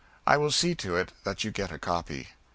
I will see to it that you get a copy.